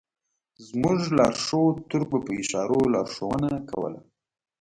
زموږ لارښود تُرک به په اشارو لارښوونه کوله.